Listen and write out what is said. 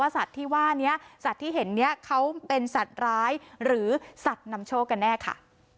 สัตว์ที่เห็นเนี่ยเขาเป็นสัตว์ร้ายหรือสัตว์นำโชคกันแน่ค่ะ